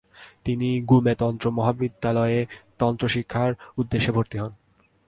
তিনি গ্যুমে তন্ত্র মহাবিদ্যালয়ে তন্ত্র শিক্ষার উদ্দেশ্যে ভর্তি হন।